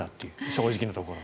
正直なところ。